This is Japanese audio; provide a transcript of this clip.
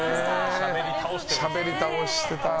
しゃべり倒してた。